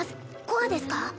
コアですか？